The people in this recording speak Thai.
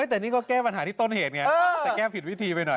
แต่นี่ก็แก้ปัญหาที่ต้นเหตุไงแต่แก้ผิดวิธีไปหน่อย